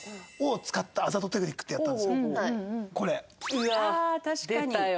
うわっ出たよ。